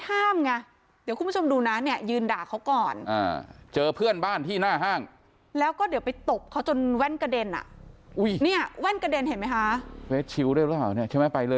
แล้วลูกแกก็จะช่วยถ่ายคลิปไม่ห้าม